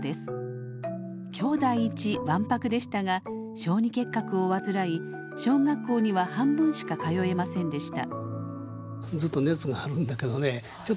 兄弟一ワンパクでしたが小児結核を患い小学校には半分しか通えませんでした。